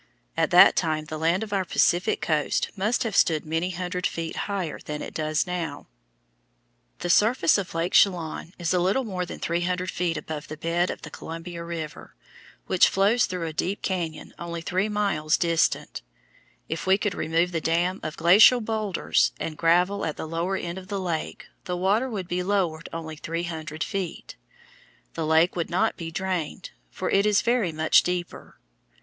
At that time the land of our Pacific coast must have stood many hundred feet higher than it does now. [Illustration: FIG. 59. GOAT MOUNTAIN, NORTH SHORE OF LAKE CHELAN] The surface of Lake Chelan is a little more than three hundred feet above the bed of the Columbia River, which flows through a deep cañon only three miles distant. If we could remove the dam of glacial boulders and gravel at the lower end of the lake, the water would be lowered only three hundred feet. The lake would not be drained, for it is very much deeper.